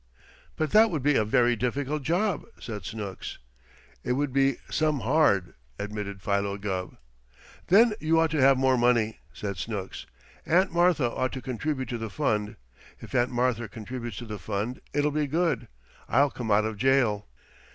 "But that would be a very difficult job," said Snooks. "It would be some hard," admitted Philo Gubb. "Then you ought to have more money," said Snooks. "Aunt Martha ought to contribute to the fund. If Aunt Martha contributes to the fund, I'll be good. I'll come out of jail."